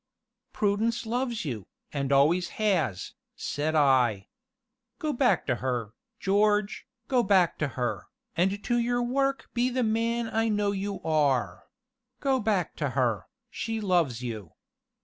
"Prudence loves you, and always has," said I. "Go back to her, George, go back to her, and to your work be the man I know you are; go back to her she loves you.